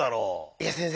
いや先生。